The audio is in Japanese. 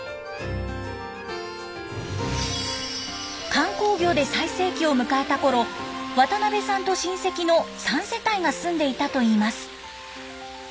観光業で最盛期を迎えたころ渡邊さんと親戚の３世帯が住んでいたといいます。